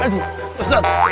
hancetnya yang ketipangkan